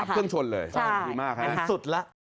กลับเพื่องชนเลยใช่ไหมดีมากฮะสุดละ